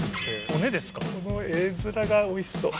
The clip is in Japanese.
この画づらがおいしそう。